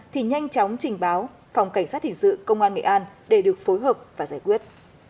thì nhanh chóng trình báo phòng cảnh sát hình sự công an nghệ an để được phối hợp và giải quyết